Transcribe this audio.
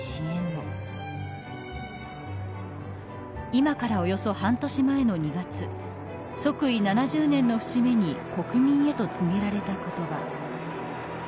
今からおよそ、半年前の２月即位７０年の節目に国民へと告げられた言葉。